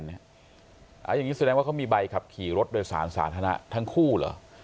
อย่างนี้แสดงว่าเขามีใบขับขี่รถโดยสารสาธารณะทั้งคู่เหรอ